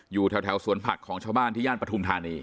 อยู่แถวสวนผักของชาวบ้านที่ย่านปฐุมธานี